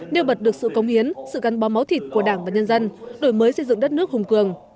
nêu bật được sự công hiến sự gắn bó máu thịt của đảng và nhân dân đổi mới xây dựng đất nước hùng cường